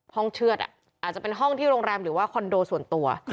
เชื่อดอาจจะเป็นห้องที่โรงแรมหรือว่าคอนโดส่วนตัว